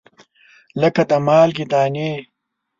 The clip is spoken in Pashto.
لګه د مالګې دانې